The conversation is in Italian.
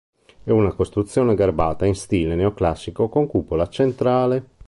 È una costruzione garbata in stile neoclassico, con cupola centrale.